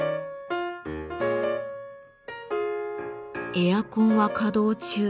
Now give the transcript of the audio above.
エアコンは稼働中。